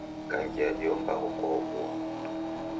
Kangia iyo mbagho kuwaobua.